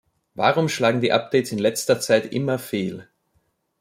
Warum schlagen die Updates in letzter Zeit immer fehl?